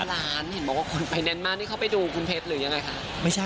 เห็นบอกว่าคนไปแน่นมากนี่เขาไปดูคุณเพชรหรือยังไงคะ